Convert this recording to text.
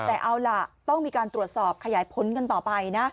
แต่เอาล่ะต้องมีการตรวจสอบขยายผลกันต่อไปนะ